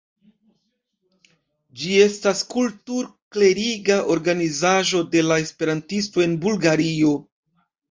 Ĝi estas kultur-kleriga organizaĵo de la esperantistoj en Bulgario.